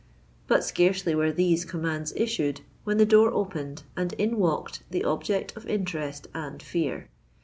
But scarcely were these commands issued, when the door opened; and in walked the object of interest and fear.